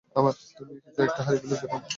তুমি কিছু একটা হারিয়ে ফেলেছ, টম!